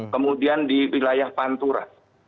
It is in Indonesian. kemudian di wilayah pantura